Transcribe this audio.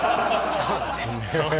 そうです